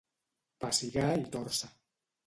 Pessigar i tòrcer.